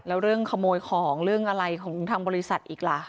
แล้วเรื่องขโมยของเรื่องอะไรของทางบริษัทอีกล่ะ